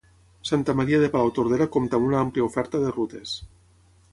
Santa Maria de Palautordera compta amb una àmplia oferta de rutes